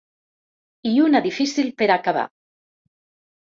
I una difícil per a acabar.